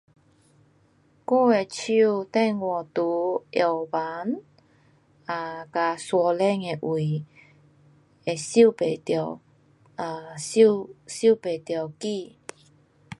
我的手电话在药房，啊，跟山顶的位会收不到，啊，收，收不到机。